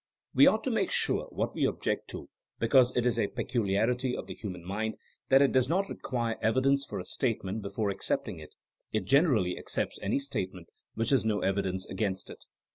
We ought to make sure what we object to be cause it is a peculiarity of the human mind that it does not require evidence for a statement be fore accepting it ; it generally accepts any state ment which has no evidence against it.